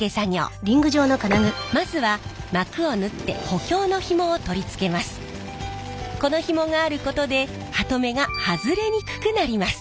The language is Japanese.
まずはこのヒモがあることでハトメが外れにくくなります。